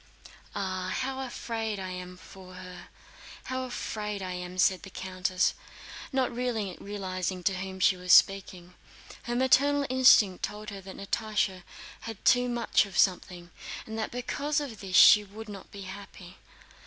"Ah, how afraid I am for her, how afraid I am!" said the countess, not realizing to whom she was speaking. Her maternal instinct told her that Natásha had too much of something, and that because of this she would not be happy.